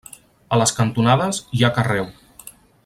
A les cantonades hi ha carreu.